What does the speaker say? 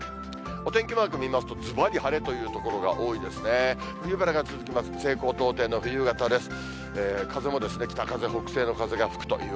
お天気マーク見ますと、ずばり晴れという所が多いですね。